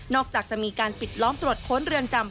จากจะมีการปิดล้อมตรวจค้นเรือนจำ